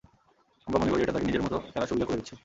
আমরা মনে করি, এটা তাঁকে নিজের মতো খেলার সুবিধা করে দিচ্ছে।